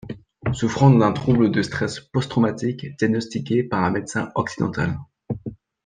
Souffrant d'un trouble de stress post-traumatique diagnostiqué par un médecin occidental.